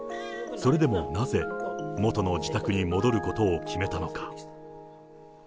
それでもなぜ、元の自宅に戻ることを決めたのか。